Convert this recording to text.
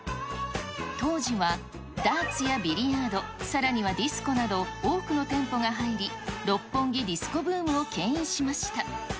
当時は、ダーツやビリヤード、さらにはディスコなど、多くの店舗が入り、六本木ディスコブームをけん引しました。